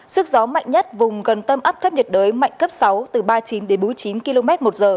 sức gió mạnh nhất vùng gần tâm áp thấp nhiệt đới mạnh cấp sáu từ ba mươi chín đến bốn mươi chín km một giờ